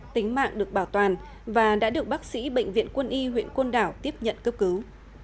tính mạng được bảo toàn và đã được bác sĩ bệnh viện quân y huyện côn đảo tiếp nhận cấp cứu